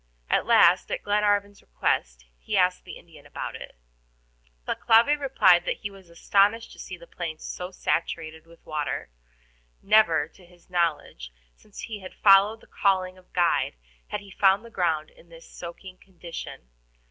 At last, at Glenarvan's request, he asked the Indian about it. Thalcave replied that he was astonished to see the plains so saturated with water. Never, to his knowledge, since he had followed the calling of guide, had he found the ground in this soaking condition.